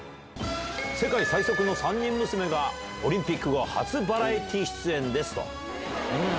世界最速の３人娘が、オリンピック後初バラエティー出演ですと。